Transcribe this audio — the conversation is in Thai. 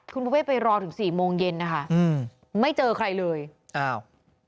คุณประเวทไปรอถึงสี่โมงเย็นนะคะอืมไม่เจอใครเลยอ้าว